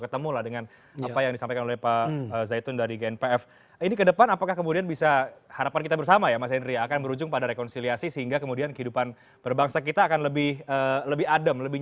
terima kasih pak zaiton